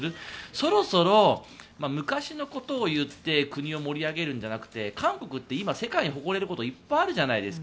そろそろ、昔のこと言って国を盛り上げるんじゃなくて韓国って今、世界に誇れることいっぱいあるじゃないですか。